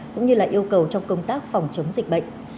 cũng như là yêu cầu trong công tác phòng chống dịch bệnh